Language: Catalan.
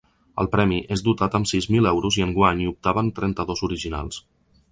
El premi és dotat amb sis mil euros i enguany hi optaven trenta-dos originals.